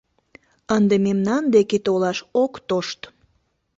Ынде мемнан деке толаш ок тошт!